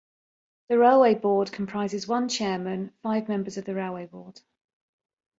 The Railway Board comprises one Chairman, five members of the Railway Board.